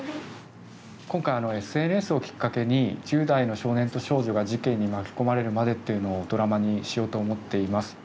今回ＳＮＳをきっかけに１０代の少年と少女が事件に巻き込まれるまでっていうのをドラマにしようと思っています。